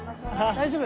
大丈夫。